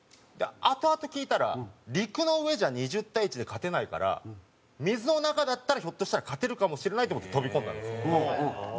あとあと聞いたら陸の上じゃ２０対１で勝てないから水の中だったらひょっとしたら勝てるかもしれないって思って飛び込んだんですって。